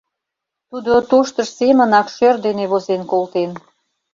Тудо тоштыж семынак шӧр дене возен колтен.